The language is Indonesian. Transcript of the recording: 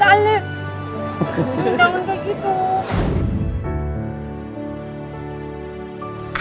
jangan jangan kayak gitu